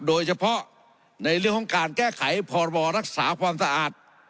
โดยเฉพาะในเรื่องของการแก้ไขพรบรักษาความสะอาด